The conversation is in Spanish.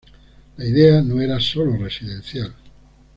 La idea no era sólo residencial.